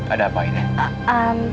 ada apa aida